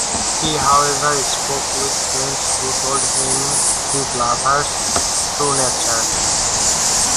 He, however, spoke with friends who told him his lover's true nature.